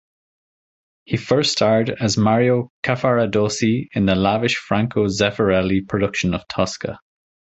He first starred as Mario Cavaradossi in the lavish Franco Zeffirelli production of "Tosca".